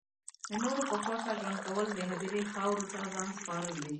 د نورو په خوښه ژوند کول د هدیرې خاورو ته ځان سپارل دی